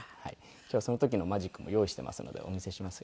今日はその時のマジックも用意していますのでお見せしますよ。